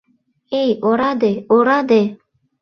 Эй, ораде, ораде!